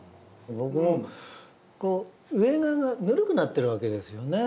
僕もこう上側がぬるくなってるわけですよね。